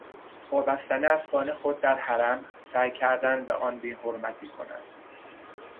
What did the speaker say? با بستن اسبان خود در حرم سعی کردند به آن بیحرمتی کنند.